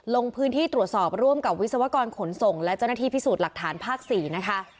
ลงพื้นที่ตรวจสอบร่วมกับวิศวกรขนส่งและเจ้าหน้าที่พิสูจน์หลักฐานภาค๔นะคะ